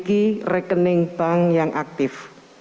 bagi rekening bank yang aktif